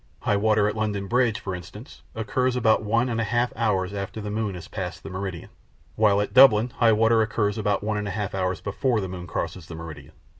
High water at London Bridge, for instance, occurs about one and a half hours after the moon has passed the meridian, while at Dublin high water occurs about one and a half hours before the moon crosses the meridian.